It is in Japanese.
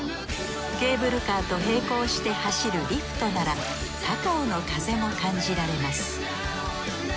ケーブルカーと並行して走るリフトなら高尾の風も感じられます。